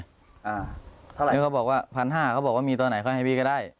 อ่าเท่าไหร่เขาบอกว่าพันห้าเขาบอกว่ามีตัวไหนเขาให้พี่ก็ได้